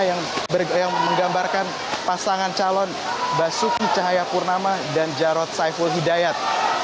yang menggambarkan pasangan calon basuki cahayapurnama dan jarod saiful hidayat